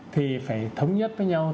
thì phải thống nhất với nhau